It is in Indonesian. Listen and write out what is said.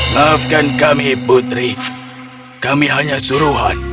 maafkan kami putri kami hanya suruhan